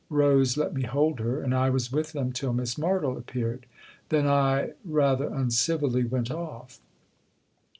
Rose let me hold her, and I was with them till Miss Martle appeared. Then I rather uncivilly went off."